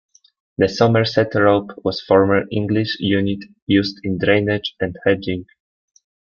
The Somerset rope was a former English unit used in drainage and hedging.